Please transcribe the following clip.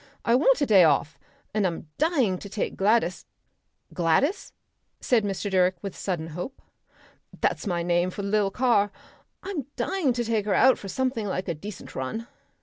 I want a day off, and I'm dying to take Gladys " "Gladys?" said Mr. Direck with sudden hope. "That's my name for the lil' car. I'm dying to take her for something like a decent run.